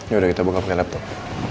yaudah kita buka pakai laptop